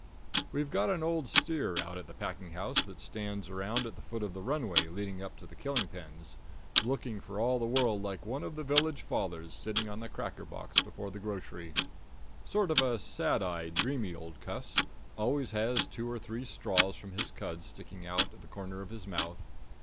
We've got an old steer out at the packing house that stands around at the foot of the runway leading up to the killing pens, looking for all the world like one of the village fathers sitting on the cracker box before the grocery sort of sad eyed, dreamy old cuss always has two or three straws from his cud sticking out of the corner of his mouth.